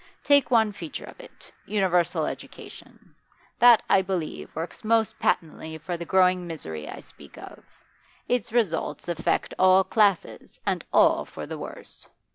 Take one feature of it universal education. That, I believe, works most patently for the growing misery I speak of. Its results affect all classes, and all for the worse.